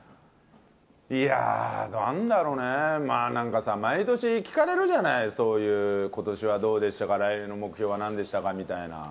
いやー、なんだろうね、まあなんかさ、毎年聞かれるじゃない、そういう、ことしはどうでしたか、来年の目標はなんですかみたいな。